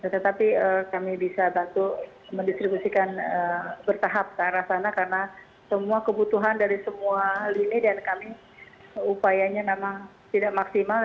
tetapi kami bisa bantu mendistribusikan bertahap ke arah sana karena semua kebutuhan dari semua lini dan kami upayanya memang tidak maksimal